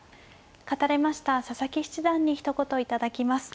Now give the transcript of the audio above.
勝たれました佐々木七段にひと言頂きます。